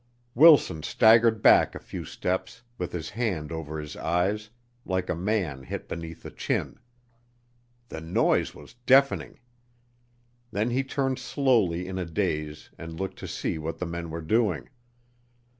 Wilson staggered back a few steps with his hand over his eyes like a man hit beneath the chin. The noise was deafening. Then he turned slowly in a daze and looked to see what the men were doing.